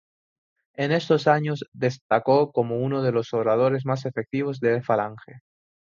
En estos años destacó como uno de los oradores más efectivos de Falange.